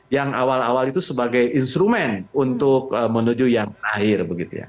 yang awal awal itu sebagai instrumen untuk menuju yang terakhir